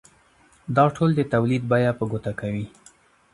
دا ټول د تولید بیه په ګوته کوي